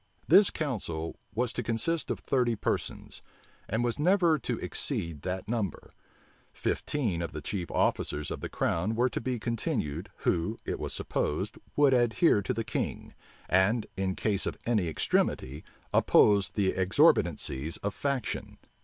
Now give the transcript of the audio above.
This council was to consist of thirty persons, and was never to exceed that number. Fifteen of the chief officers of the crown were to be continued, who, it was supposed, would adhere to the king, and, in case of any extremity, oppose the exorbitancies of faction.